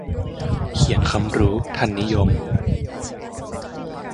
เขียนคำรู้ทันนิยม